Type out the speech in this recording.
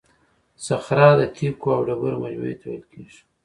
صخره د تیکو او ډبرو مجموعې ته ویل کیږي.